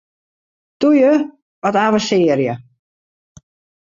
Toe ju, wat avensearje!